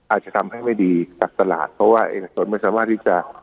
อาจจะทำให้ไม่ดีกับตลาดเพราะว่าเอกชนไม่สามารถที่จะ